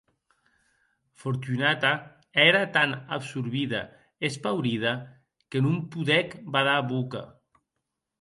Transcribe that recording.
Fortunata ère tant absorbida e espaurida, que non podec badar boca.